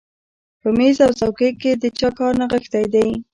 په مېز او څوکۍ کې د چا کار نغښتی دی